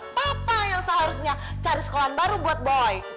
papa yang seharusnya cari sekolahan baru buat boy